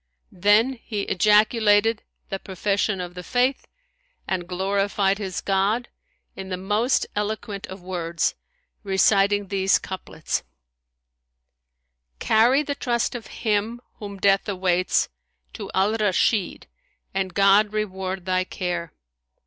Then he ejaculated the profession of the Faith and glorified his God in the most eloquent of words, reciting these couplets, Carry the trust of him whom death awaits * To Al Rashid and God reward thy care!